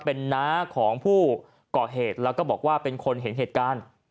เป็นน้าของผู้ก่อเหตุแล้วก็บอกว่าเป็นคนเห็นเหตุการณ์